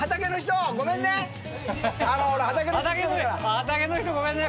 畑の人ごめんね。